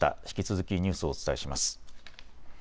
引き続きニュースをお伝えします。